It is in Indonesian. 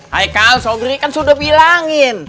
haikal sobri kan sudah bilangin